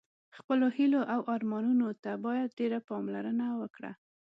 خپلو هیلو او ارمانونو ته باید ډېره پاملرنه وکړه.